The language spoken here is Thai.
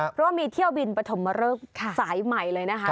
เพราะว่ามีเที่ยวบินปฐมเริกสายใหม่เลยนะคะ